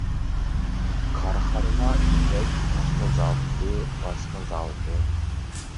كارخانىلار يىپەك پاختا زاۋۇتى، باسما زاۋۇتى.